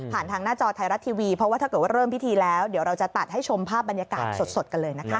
ทางหน้าจอไทยรัฐทีวีเพราะว่าถ้าเกิดว่าเริ่มพิธีแล้วเดี๋ยวเราจะตัดให้ชมภาพบรรยากาศสดกันเลยนะคะ